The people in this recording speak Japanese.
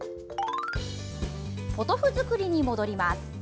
ポトフ作りに戻ります。